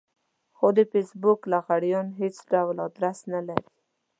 خو د فېسبوک لغړيان هېڅ ډول ادرس نه لري.